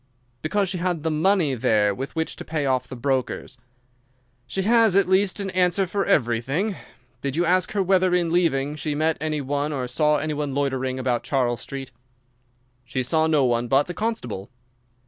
"Because she had the money there with which to pay off the brokers." "She has at least an answer for everything. Did you ask her whether in leaving she met any one or saw any one loitering about Charles Street?" "She saw no one but the constable."